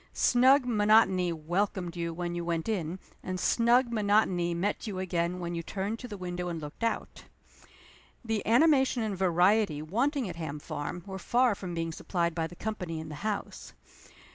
Snug monotony welcomed you when you went in, and snug monotony met you again when you turned to the window and looked out. The animation and variety wanting at Ham Farm were far from being supplied by the company in the house.